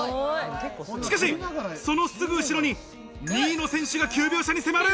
しかし、そのすぐ後ろに２位の選手が９秒差に迫る。